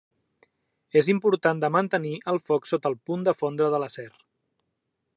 És important de mantenir el foc sota el punt de fondre de l'acer.